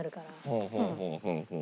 ほうほうほうほう。